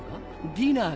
ディナーか？